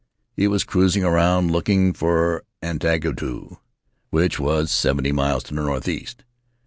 He was cruising around looking for Angatau, which was seventy miles to the northeast.